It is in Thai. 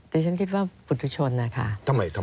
แต่ฉันคิดว่าปุฏิชนนะคะ